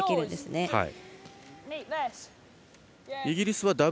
イギリスは。